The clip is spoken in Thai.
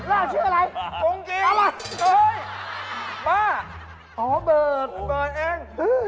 กล้วยปืนเปอร์ซอุ๊ย